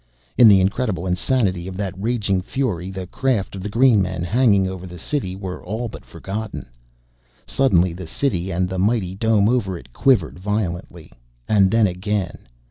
In the incredible insanity of that raging fury the craft of the green men hanging over the city were all but forgotten. Suddenly the city and the mighty dome over it quivered violently, and then again.